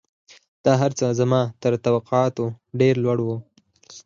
دا هرڅه زما تر توقعاتو ډېر لوړ وو